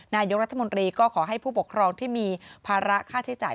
นายกรัฐมนตรีก็ขอให้ผู้ปกครองที่มีภาระค่าใช้จ่าย